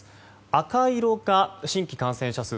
赤色が新規感染者数。